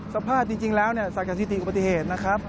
สภาพจริงแล้วสักการสิติกว่าปฏิเหตุนะครับ